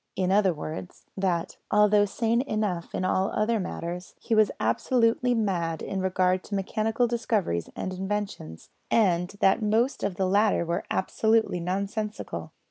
In other words, that, although sane enough in all other matters, he was absolutely mad in regard to mechanical discoveries and inventions, and that most of the latter were absolutely nonsensical.